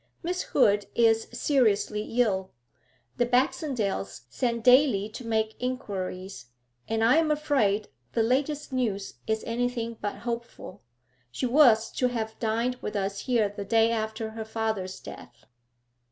Miss Hood is seriously ill. The Baxendales send daily to make inquiries, and I am afraid the latest news is anything but hopeful. She was to have dined with us here the day after her father's death.'